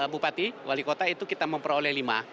bupati wali kota itu kita memperoleh lima